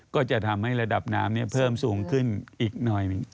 ก็จะทำให้ระดับน้ำเพิ่มสูงขึ้นอีกหน่อยหนึ่ง